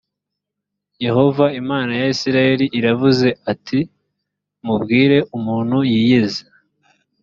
yehova imana ya isirayeli iravuze ati: mubwire umuntu yiyeze